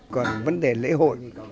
còn vấn đề lễ hội